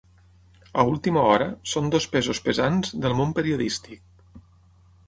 A última hora, són dos pesos pesants del món periodístic.